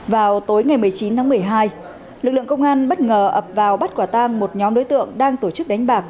vào tối ngày một mươi chín tháng một mươi hai lực lượng công an bất ngờ ập vào bắt quả tang một nhóm đối tượng đang tổ chức đánh bạc